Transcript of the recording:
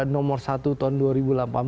nomor satu tahun dua ribu delapan belas